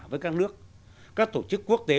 với các nước các tổ chức quốc tế